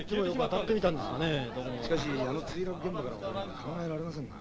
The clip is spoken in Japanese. しかしあの墜落現場から戻るのは考えられませんな。